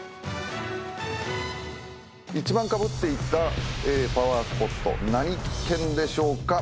１番かぶっていたパワースポット何県でしょうか。